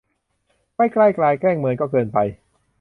ไม่ใกล้กราย แกล้งเมิน ก็เกินไป